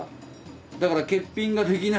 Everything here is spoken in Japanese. だから欠品ができないんですよ